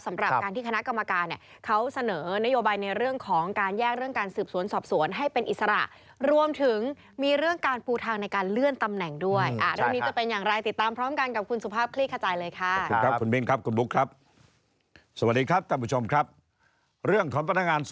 สำหรับที่คณะกรรมการเขาเสนอ